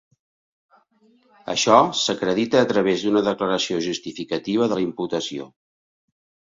Això s'acredita a través d'una declaració justificativa de la imputació.